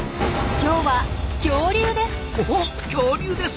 今日は恐竜です！